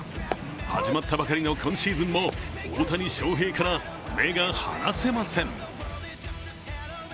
始まったばかりの今シーズンも大谷翔平から目が離せません。